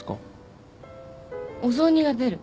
お雑煮が出る。